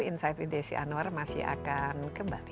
insight with desi anwar masih akan kembali